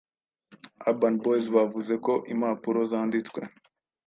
urban boys bavuze ko impapuro zanditswe